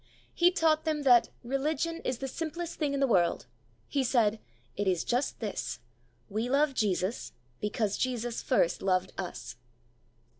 He taught them that "religion is the simplest thing in the world." He said: "It is just this, 'We love Jesus, because Jesus first loved us.'"